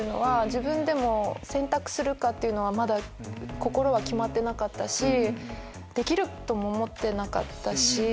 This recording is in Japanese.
自分でも選択するかというのはまだ心は決まってなかったしできるとも思ってなかったし。